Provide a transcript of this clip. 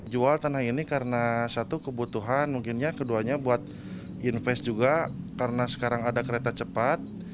jual tanah ini karena satu kebutuhan mungkinnya keduanya buat invest juga karena sekarang ada kereta cepat